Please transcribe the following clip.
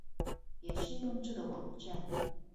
也是用這個網站